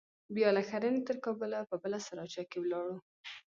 بيا له ښرنې تر کابله په بله سراچه کښې ولاړو.